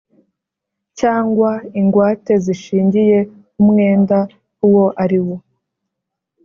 Cyangwa ingwate zishingiye umwenda uwo ariwo